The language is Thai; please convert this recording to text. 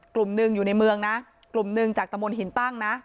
กลุ่มหนึ่งอยู่ในเมืองนะกลุ่มหนึ่งจากตะมนต์หินตั้งนะ